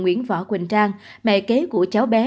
nguyễn võ quỳnh trang mẹ kế của cháu bé